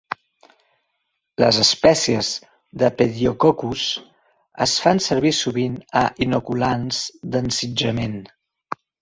Les espècies de "pediococcus" es fan servir sovint a inoculants d'ensitjament.